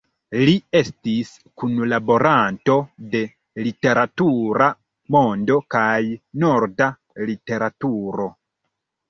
Li estis kunlaboranto de "Literatura Mondo" kaj "Norda Literaturo.